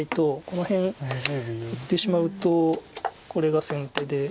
この辺打ってしまうとこれが先手で。